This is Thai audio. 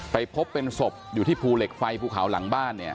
ไปพบเป็นศพอยู่ที่ภูเหล็กไฟภูเขาหลังบ้านเนี่ย